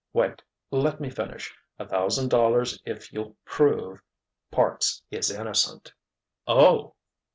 "Wait—let me finish. A thousand dollars if you'll prove—Parks is innocent!" "Oh!"